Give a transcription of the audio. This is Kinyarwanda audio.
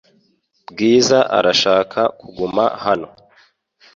Bwiza arashaka kuguma hano .